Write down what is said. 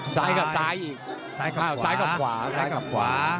ซ้ายกับซ้ายซ้ายกับขวา